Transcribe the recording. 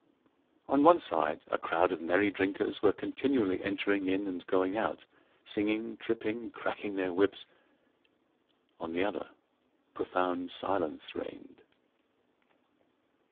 On one side, a crowd of merry drinkers were continually entering in and going out, singing, tripping, cracking their whips; on the other, profound silence reigned.